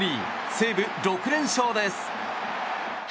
西武、６連勝です。